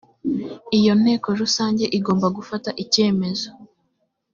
iyo inteko rusange igomba gufata icyemezo